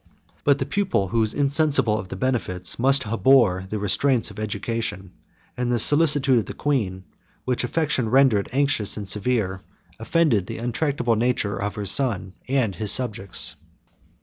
But the pupil who is insensible of the benefits, must abhor the restraints, of education; and the solicitude of the queen, which affection rendered anxious and severe, offended the untractable nature of her son and his subjects.